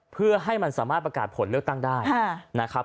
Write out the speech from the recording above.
เพื่อให้มันสามารถประกาศผลเลือกตั้งได้นะครับ